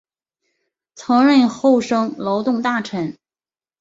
曾任厚生劳动大臣。